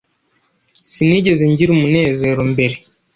Sinigeze ngira umunezero mbere.